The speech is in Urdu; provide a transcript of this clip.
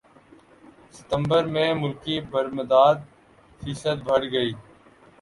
ستمبر میں ملکی برمدات فیصد بڑھ گئیں